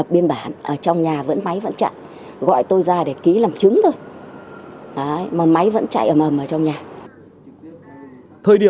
bắt cửa vào lại